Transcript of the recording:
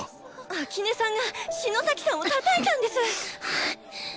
秋音さんが篠崎さんをたたいたんです！